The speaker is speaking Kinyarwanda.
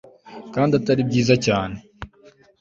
kandi atari byiza cyane